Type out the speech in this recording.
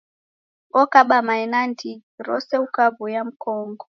Okaba mae na ndighi rose ukawuia mkongo